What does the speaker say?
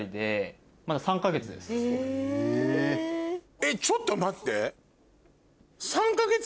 えっちょっと待って！